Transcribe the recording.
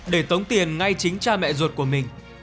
để tống tiền ngay chính cha mẹ ruột của mình